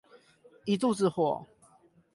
一肚子火